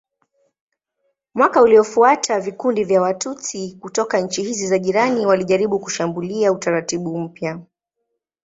Mwaka uliofuata vikundi vya Watutsi kutoka nchi hizi za jirani walijaribu kushambulia utaratibu mpya.